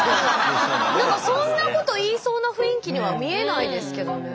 何かそんなこと言いそうな雰囲気には見えないですけどねえ。